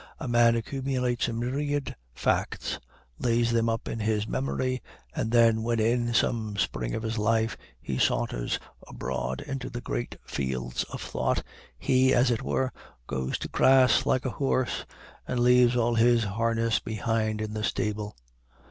a man accumulates a myriad facts, lays them up in his memory, and then when in some spring of his life he saunters abroad into the Great Fields of thought, he, as it were, goes to grass like a horse, and leaves all his harness behind in the stable.